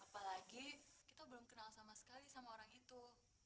apalagi kita belum kenal sama sekali sama orang itu